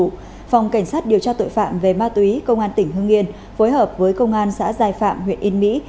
phòng cảnh sát điều tra tội phạm về ma túy công an tỉnh hương yên phối hợp với công an xã giai phạm huyện yên mỹ